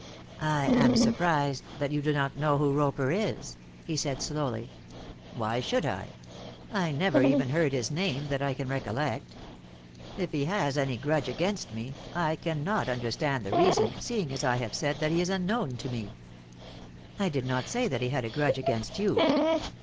"I am surprised that you do not know who Roper is," he said, slowly. "Why should I? I never even heard his name, that I can recollect. If he has any grudge against me, I cannot understand the reason, seeing, as I have said, that he is unknown to me." "I did not say that he had a grudge against you."